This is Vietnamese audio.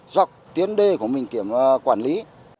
dọc tiến đê của mình kiểm quản lý